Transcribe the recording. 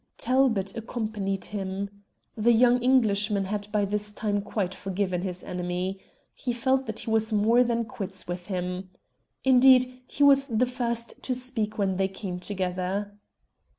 Talbot accompanied him. The young Englishman had by this time quite forgiven his enemy. He felt that he was more than quits with him. Indeed, he was the first to speak when they came together.